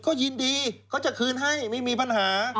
ก็ยินดีเขาจะคืนให้ไม่มีปัญหา